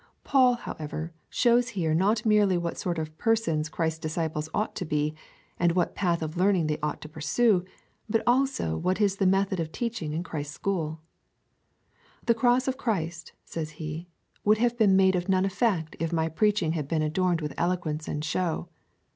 Paul, however, shows here not merely what sort of persons Christ's disciples ought to be, and what path of learning they ought to pursue, but also what is the method of teaching in Christ's school. " The o^oss of Christ (says he) would have been made of none effect, if my preach ing had been adorned with eloquence and show."